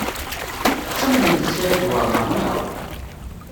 Tettamnemt Saɛid Waɛmaṛ, naɣ?